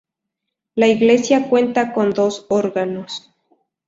La iglesia cuenta con dos órganos.